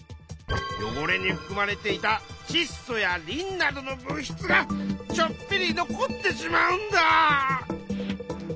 よごれにふくまれていたちっそやリンなどの物質がちょっぴり残ってしまうんだ。